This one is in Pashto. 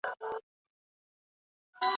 زه به په جیهلم کې ستا انتظار وکړم.